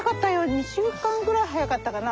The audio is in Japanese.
２週間ぐらい早かったかな。